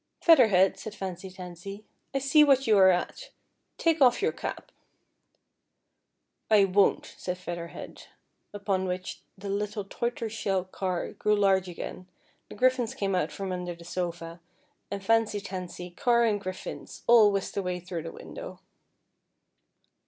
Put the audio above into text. " Feather Head," said Fancy Tansy, " I see what you are at. Take off \'our cap." " I won't," said Feather Head ; upon which the little tortoise shell car grew large again, the griffins came out from under the sofa, and Fancy Tans} , car and griffins, all whisked away tnrough the window.